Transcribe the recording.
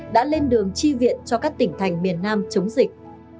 đã lên đường chi viện cho các tỉnh thành miền nam chống dịch